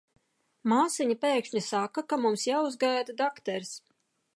Māsiņa pēkšņi saka, ka mums jāuzgaida dakteris.